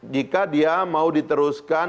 jika dia mau diteruskan